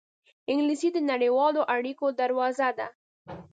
انګلیسي د نړیوالو اړېکو دروازه ده